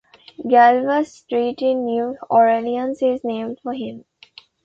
Galvez Street in New Orleans is named for him.